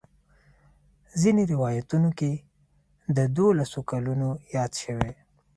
ځینې روایاتو کې د دولسو کلونو یاد شوی.